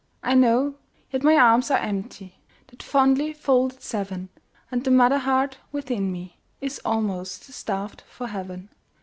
I know, yet my arms are empty, That fondly folded seven, And the mother heart within me Is almost starved for heaven.